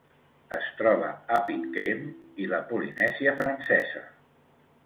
Es troba a Pitcairn i la Polinèsia Francesa.